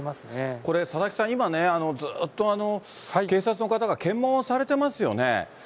これ、佐々木さん、今ね、ずっと、警察の方が検問をされてますよね。